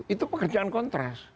itu pekerjaan kontras